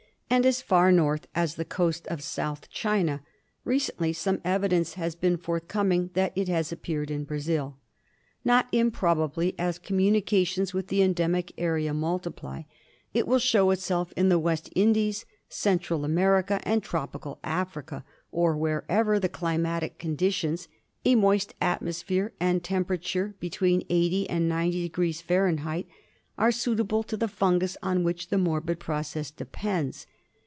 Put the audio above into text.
II and as far north as the coast of South China. Recently some evidence has been forthcoming that it has appeared in Brazil. Not improbably, as communications with the endemic area multiply, it will show itself in the West Indies, Central America, and tropical Africa, or wherever the climatic conditions — a moist atmosphere and tempera ture between 80° and 90° Fahr. — are suitable to the fungus on which the morbid process depends.